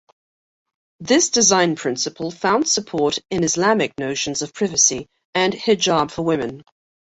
This design principle found support in Islamic notions of privacy, and hijab for women.